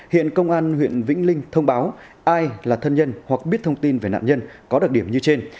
hiện công an huyện vĩnh linh thông báo ai là thân nhân hoặc biết thông tin về nạn nhân có đặc điểm như trên